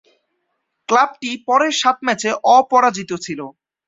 ক্লাবটি পরের সাত ম্যাচে অপরাজিত ছিল।